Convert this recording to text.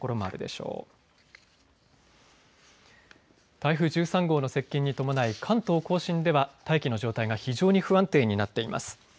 台風１３号の接近に伴い関東甲信では大気の状態が非常に不安定になっています。